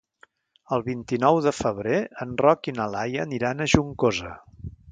El vint-i-nou de febrer en Roc i na Laia aniran a Juncosa.